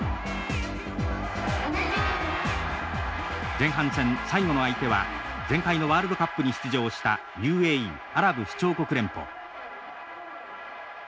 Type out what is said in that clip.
前半戦最後の相手は前回のワールドカップに出場したＵＡＥアラブ首長国連邦。